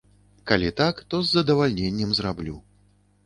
Калі так, то з задавальненнем зраблю.